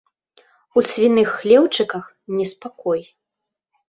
У свіных хлеўчыках неспакой.